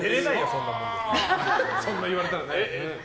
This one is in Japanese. そんなこと言われたら。